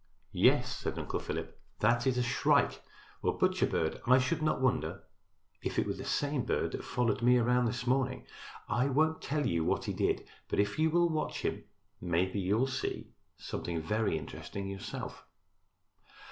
"Yes," said Uncle Philip, "that is a shrike, or butcher bird. I should not wonder if it were the same bird that followed me around this morning. I won't tell you what he did, but if you will watch him maybe you'll see something very interesting yourself."